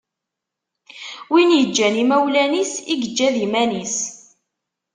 Win yeǧǧan imawlan-is i yeǧǧa d iman-is.